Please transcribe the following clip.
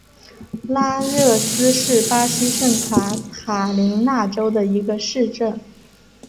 拉热斯是巴西圣卡塔琳娜州的一个市镇。